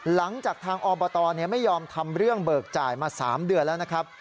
หลังจากทางอบตไม่ยอมทำเรื่องเบิกจ่ายมา๓เดือนแล้วนะครับ